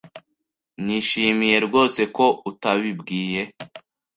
Nishimiye rwose ko utabibwiye .